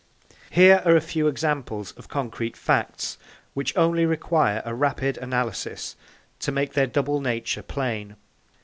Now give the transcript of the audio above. Here are a few examples of concrete facts, which only require a rapid analysis to make their double nature plain.